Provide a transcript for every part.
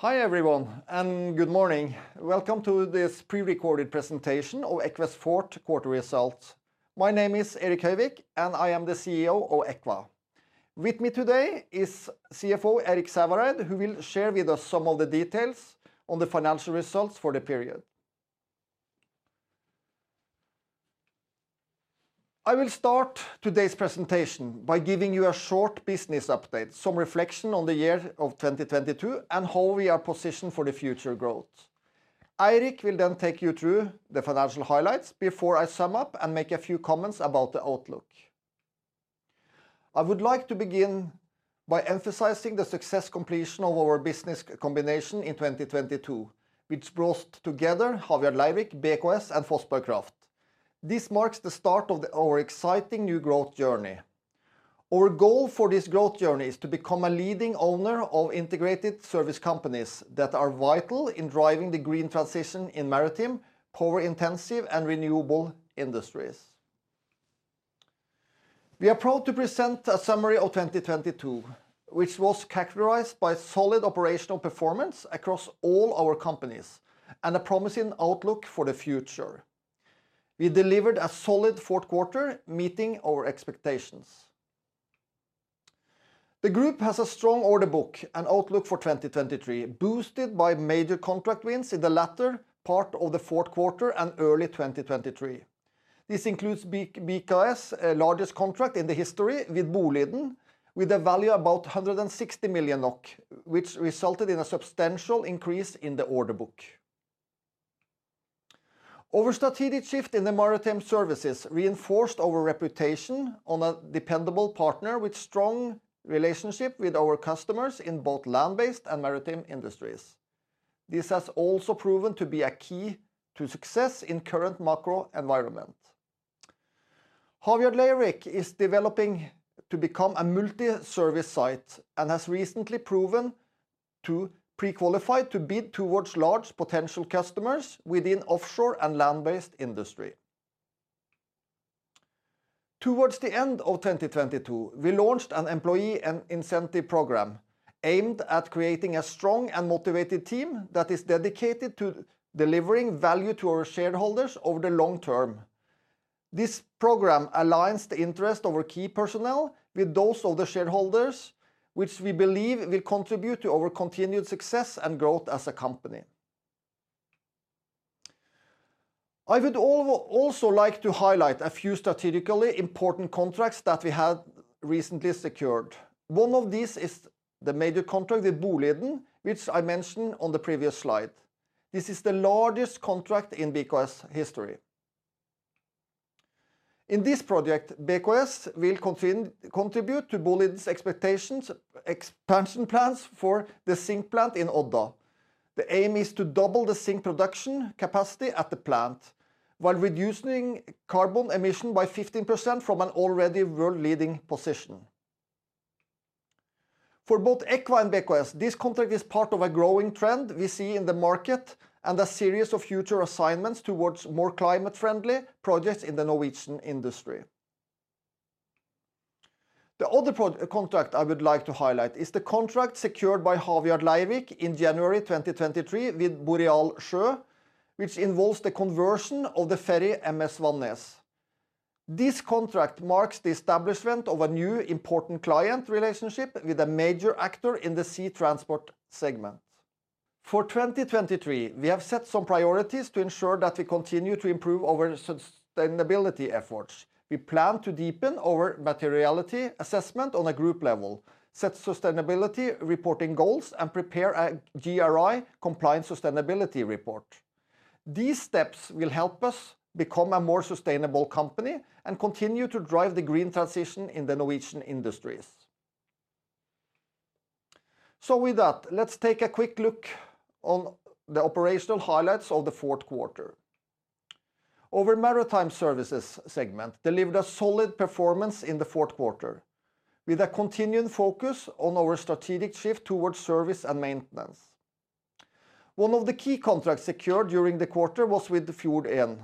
Hi, everyone, and good morning. Welcome to this pre-recorded presentation of Eqva's fourth quarter results. My name is Erik Høyvik, and I am the CEO of Eqva. With me today is CFO Eirik Sævareid, who will share with us some of the details on the financial results for the period. I will start today's presentation by giving you a short business update, some reflection on the year of 2022, and how we are positioned for the future growth. Eirik will take you through the financial highlights before I sum up and make a few comments about the outlook. I would like to begin by emphasizing the success completion of our business combination in 2022, which brought together Havyard Leirvik, BKS, and Fossberg Kraft. This marks the start of our exciting new growth journey. Our goal for this growth journey is to become a leading owner of integrated service companies that are vital in driving the green transition in maritime, power-intensive, and renewable industries. We are proud to present a summary of 2022, which was characterized by solid operational performance across all our companies and a promising outlook for the future. We delivered a solid fourth quarter, meeting our expectations. The group has a strong order book and outlook for 2023, boosted by major contract wins in the latter part of the fourth quarter and early 2023. This includes BKS' largest contract in the history with Boliden, with a value about 160 million NOK, which resulted in a substantial increase in the order book. Our strategic shift in the Maritime Services reinforced our reputation on a dependable partner with strong relationship with our customers in both land-based and maritime industries. This has also proven to be a key to success in current macro environment. Havyard Leirvik is developing to become a multi-service site and has recently proven to pre-qualify to bid towards large potential customers within offshore and land-based industry. Towards the end of 2022, we launched an employee and incentive program aimed at creating a strong and motivated team that is dedicated to delivering value to our shareholders over the long term. This program aligns the interest of our key personnel with those of the shareholders, which we believe will contribute to our continued success and growth as a company. I would also like to highlight a few strategically important contracts that we have recently secured. One of these is the major contract with Boliden, which I mentioned on the previous slide. This is the largest contract in BKS history. In this project, BKS will contribute to Boliden's expansion plans for the zinc plant in Odda. The aim is to double the zinc production capacity at the plant while reducing carbon emission by 15% from an already world-leading position. For both Eqva and BKS, this contract is part of a growing trend we see in the market and a series of future assignments towards more climate-friendly projects in the Norwegian industry. The other contract I would like to highlight is the contract secured by Havyard Leirvik in January 2023 with Boreal Sjø, which involves the conversion of the ferry M/F Vannes. This contract marks the establishment of a new important client relationship with a major actor in the sea transport segment. For 2023, we have set some priorities to ensure that we continue to improve our sustainability efforts. We plan to deepen our materiality assessment on a group level, set sustainability reporting goals, and prepare a GRI compliance sustainability report. These steps will help us become a more sustainable company and continue to drive the green transition in the Norwegian industries. With that, let's take a quick look on the operational highlights of the fourth quarter. Our Maritime Services segment delivered a solid performance in the fourth quarter with a continuing focus on our strategic shift towards service and maintenance. One of the key contracts secured during the quarter was with the Fjord1.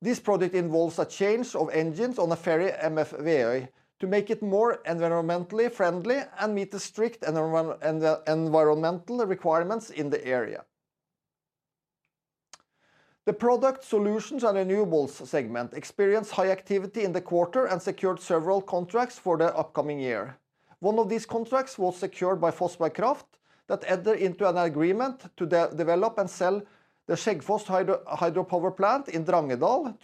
This project involves a change of engines on a ferry M/F Veøy to make it more environmentally friendly and meet the strict environmental requirements in the area. The Products, Solutions & Renewables segment experienced high activity in the quarter and secured several contracts for the upcoming year. One of these contracts was secured by Fossberg Kraft that enter into an agreement to de-develop and sell the Skjeggestad Hydropower Plant in Drangedal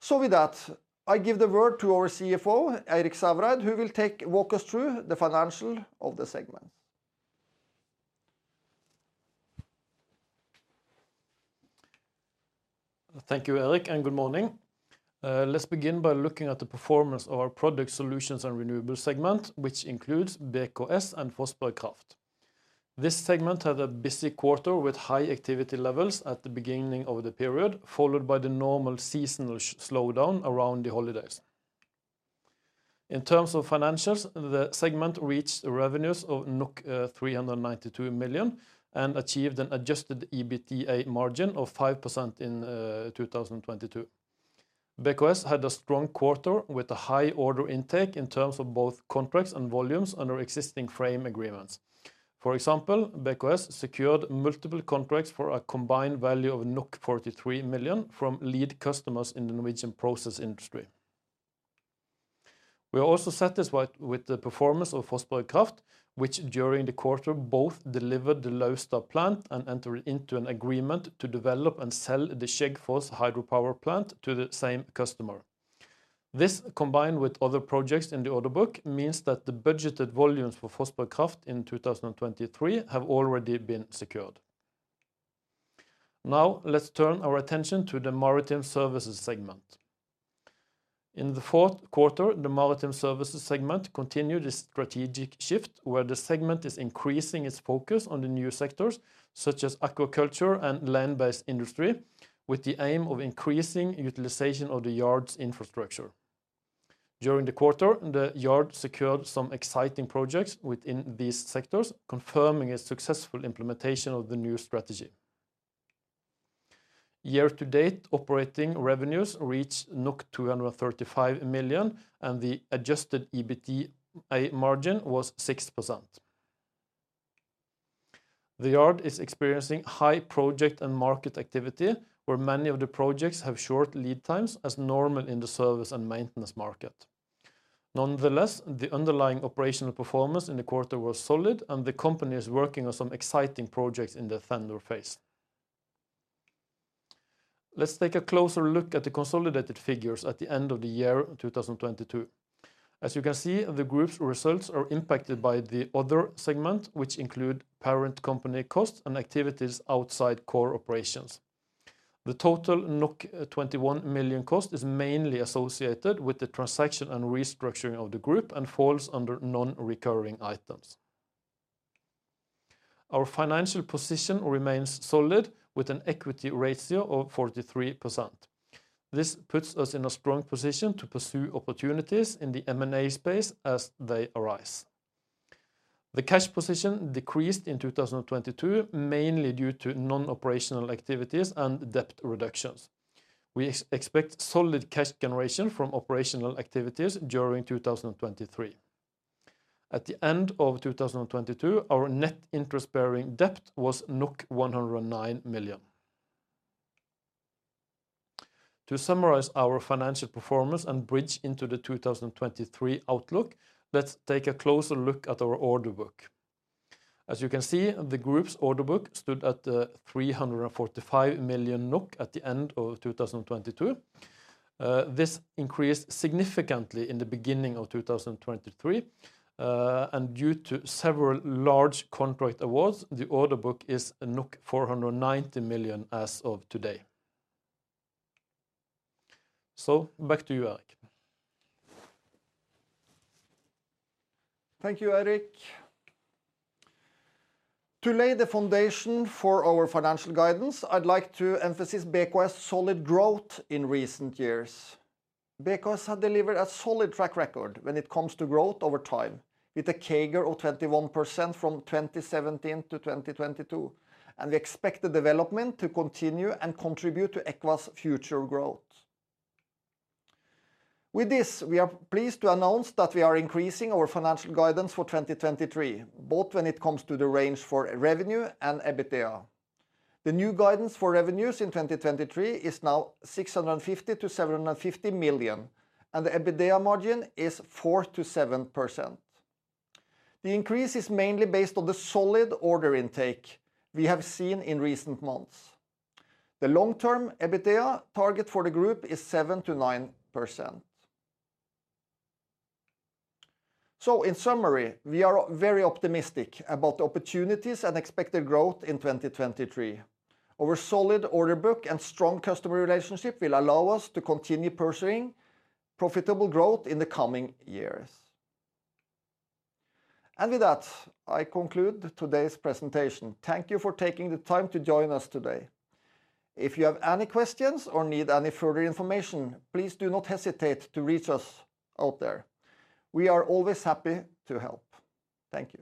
to a U.K.-based investor. With that, I give the word to our CFO, Eirik Sævareid, who will walk us through the financial of the segment. Thank you, Erik. Good morning. Let's begin by looking at the performance of our Product Solutions and Renewables segment, which includes BKS and Fossberg Kraft. This segment had a busy quarter with high activity levels at the beginning of the period, followed by the normal seasonal slowdown around the holidays. In terms of financials, the segment reached revenues of 392 million and achieved an adjusted EBITDA margin of 5% in 2022. BKS had a strong quarter with a high order intake in terms of both contracts and volumes under existing frame agreements. For example, BKS secured multiple contracts for a combined value of 43 million from lead customers in the Norwegian process industry. We are also satisfied with the performance of Fossberg Kraft, which during the quarter both delivered the Båtsfjord plant and entered into an agreement to develop and sell the Skjeggfoss hydropower plant to the same customer. This, combined with other projects in the order book, means that the budgeted volumes for Fossberg Kraft in 2023 have already been secured. Now let's turn our attention to the Maritime Services segment. In the fourth quarter, the Maritime Services segment continued its strategic shift where the segment is increasing its focus on the new sectors such as aquaculture and land-based industry, with the aim of increasing utilization of the yard's infrastructure. During the quarter, the yard secured some exciting projects within these sectors, confirming a successful implementation of the new strategy. Year-to-date operating revenues reached 235 million, and the adjusted EBITDA margin was 6%. The yard is experiencing high project and market activity, where many of the projects have short lead times as normal in the service and maintenance market. Nonetheless, the underlying operational performance in the quarter was solid, and the company is working on some exciting projects in the tender phase. Let's take a closer look at the consolidated figures at the end of the year 2022. As you can see, the group's results are impacted by the other segment, which include parent company costs and activities outside core operations. The total 21 million cost is mainly associated with the transaction and restructuring of the group and falls under non-recurring items. Our financial position remains solid with an equity ratio of 43%. This puts us in a strong position to pursue opportunities in the M&A space as they arise. The cash position decreased in 2022, mainly due to non-operational activities and debt reductions. We expect solid cash generation from operational activities during 2023. At the end of 2022, our net interest-bearing debt was NOK 109 million. To summarize our financial performance and bridge into the 2023 outlook, let's take a closer look at our order book. As you can see, the group's order book stood at 345 million NOK at the end of 2022. This increased significantly in the beginning of 2023. Due to several large contract awards, the order book is 490 million as of today. Back to you, Erik. Thank you, Eirik. To lay the foundation for our financial guidance, I'd like to emphasize BKS' solid growth in recent years. BKS has delivered a solid track record when it comes to growth over time, with a CAGR of 21% from 2017-2022. We expect the development to continue and contribute to Eqva's future growth. With this, we are pleased to announce that we are increasing our financial guidance for 2023, both when it comes to the range for revenue and EBITDA. The new guidance for revenues in 2023 is now 650 million-750 million, and the EBITDA margin is 4%-7%. The increase is mainly based on the solid order intake we have seen in recent months. The long-term EBITDA target for the group is 7%-9%. In summary, we are very optimistic about the opportunities and expected growth in 2023. Our solid order book and strong customer relationship will allow us to continue pursuing profitable growth in the coming years. With that, I conclude today's presentation. Thank you for taking the time to join us today. If you have any questions or need any further information, please do not hesitate to reach us out there. We are always happy to help. Thank you